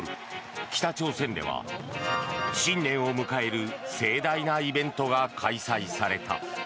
北朝鮮では新年を迎える盛大なイベントが開催された。